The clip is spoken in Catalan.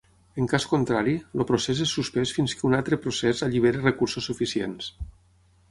En cas contrari, el procés és suspès fins que un altre procés alliberi recursos suficients.